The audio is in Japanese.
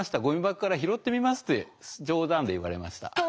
ゴミ箱から拾ってみます」って冗談で言われました。